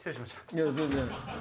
いや全然。